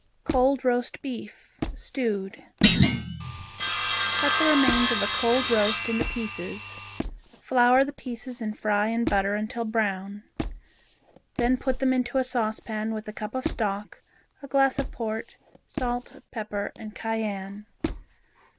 Cold Roast Beef Stewed Cut the remains of a cold roast into pieces, flour the pieces and fry in butter until brown. Then put them into a saucepan with a cup of stock, a glass of port, salt, pepper and cayenne.